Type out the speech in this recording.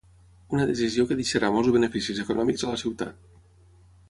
Una decisió que deixarà molts beneficis econòmics a la ciutat